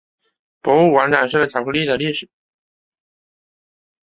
博物馆展示了巧克力的历史。